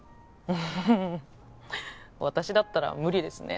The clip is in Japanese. うん私だったら無理ですね